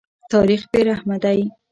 تاریخ بې رحمه دی.